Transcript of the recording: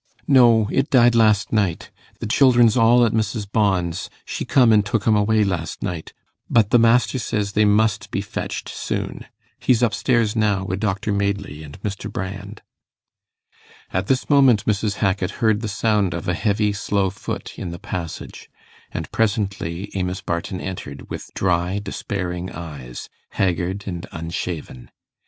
'No, it died last night. The children's all at Mrs. Bond's. She come and took 'em away last night, but the master says they must be fetched soon. He's up stairs now, wi' Dr Madeley and Mr. Brand.' At this moment Mrs. Hackit heard the sound of a heavy, slow foot, in the passage; and presently Amos Barton entered, with dry despairing eyes, haggard and unshaven.